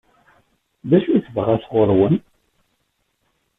D acu i tebɣa sɣur-wen?